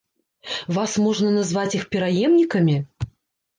Вас можна назваць іх пераемнікамі?